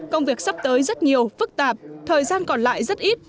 công việc sắp tới rất nhiều phức tạp thời gian còn lại rất ít